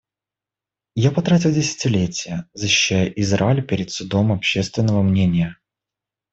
Я потратил десятилетия, защищая Израиль перед судом общественного мнения.